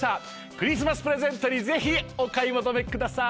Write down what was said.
クリスマスプレゼントにぜひお買い求めください。